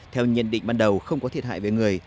theo nhận định ban đầu không có thiệt hại về người